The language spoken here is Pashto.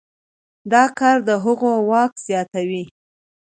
دا کار د هغوی واک زیاتوي.